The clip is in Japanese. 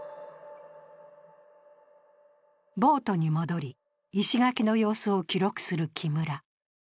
ボートに戻り、石垣の様子を記録する木村。